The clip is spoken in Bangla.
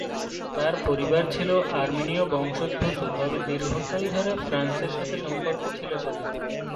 তার পরিবার ছিলো আর্মেনীয় বংশোদ্ভুত, তবে দীর্ঘকাল ধরে ফ্রান্সের সাথে সম্পর্ক ছিলো তাদের।